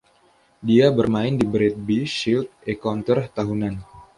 Dia bermain di Bradby Shield Encounter tahunan.